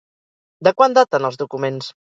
De quan daten els documents?